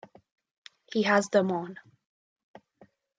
He has them on.